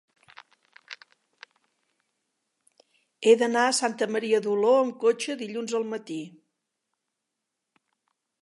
He d'anar a Santa Maria d'Oló amb cotxe dilluns al matí.